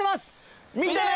見てね。